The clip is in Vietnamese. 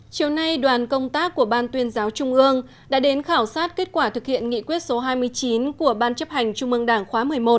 chiều nay đoàn công tác của ban tuyên giáo trung ương đã đến khảo sát kết quả thực hiện nghị quyết số hai mươi chín của ban chấp hành trung ương đảng khóa một mươi một